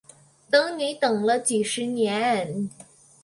等你等了几十年